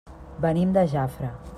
Venim de Jafre.